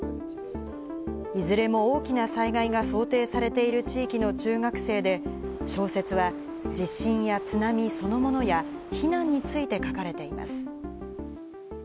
いずれも大きな災害が想定されている地域の中学生で、小説は地震や津波そのものや、避難について書かれています。